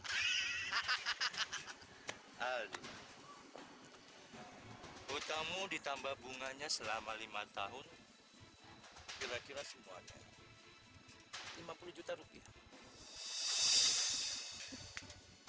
kalau tamu ditambah bunganya selama lima tahun kira kira semuanya lima puluh juta rupiah